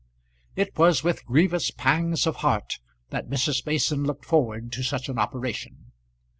It was with grievous pangs of heart that Mrs. Mason looked forward to such an operation.